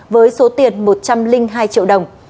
với số tiền một trăm linh hai triệu đồng